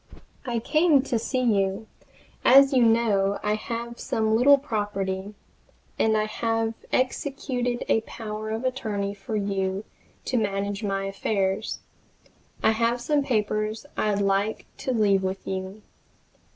I came to see you, as you know I have some little property, and I have executed a power of attorney for you to manage my affairs. I have some papers I'd like to leave with you.